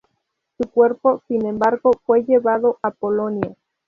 Su cuerpo, sin embargo, fue llevado a Polonia.